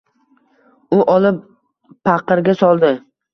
U olib, paqirga soldi.